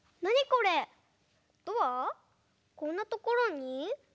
こんなところに？